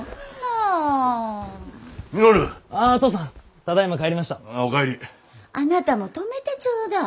あなたも止めてちょうだい。